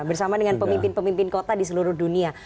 bersama dengan pemimpin pemimpin kota di seluruh dunia